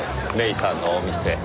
芽依さんのお店。